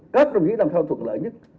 có trong khi làm sao thuận lợi nhất